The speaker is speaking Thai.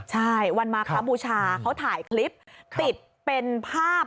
ใช่วันมาครับบูชาเขาถ่ายคลิปติดเป็นภาพ